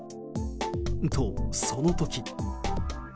と、その時。